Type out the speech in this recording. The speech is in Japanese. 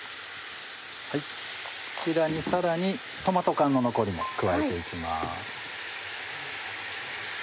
こちらにさらにトマト缶の残りも加えて行きます。